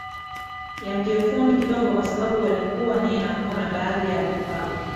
ya kiufundi kidogo kwa sababu walikuwa nina kuna baadhi ya vifaa